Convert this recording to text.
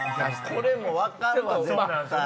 これも分かるわ絶対。